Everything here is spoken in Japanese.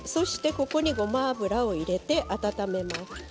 ごま油を入れて温めます。